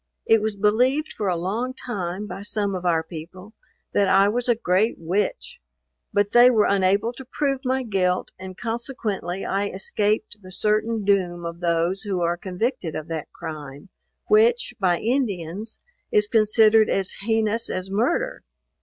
It was believed for a long time, by some of our people, that I was a great witch; but they were unable to prove my guilt, and consequently I escaped the certain doom of those who are convicted of that crime, which, by Indians, is considered as heinous as murder.